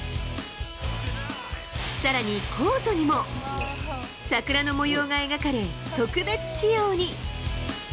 さらにコートにも、桜の模様が描かれ、特別仕様に。